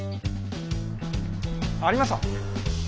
ありました。